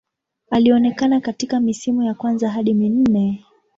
Alionekana katika misimu ya kwanza hadi minne.